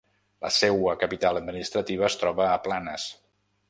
La seua capital administrativa es troba a Planes.